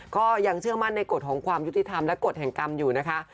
ก็ยังเชื่อมั่นในกฎของความยุติธรรมและกฎแห่งกรรมอยู่นะคะ